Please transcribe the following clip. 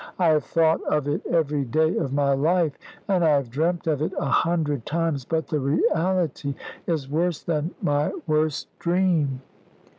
I have thought of it every day of my life, and I have dreamt of it a hundred times; but the reality is worse than my worst dream."